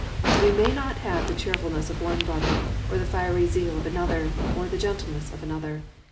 We may not have the cheerfulness of one brother, or the fiery zeal of another, or the gentleness of another.